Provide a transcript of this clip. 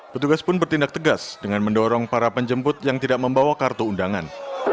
petugas pun bertindak tegas dengan mendorong para penjemput yang tidak membawa kartu undangan